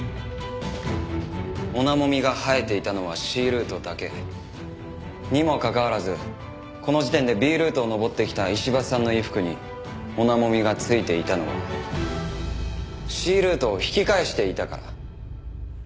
オナモミが生えていたのはＣルートだけ。にもかかわらずこの時点でＢルートを登ってきた石橋さんの衣服にオナモミがついていたのはＣルートを引き返していたから。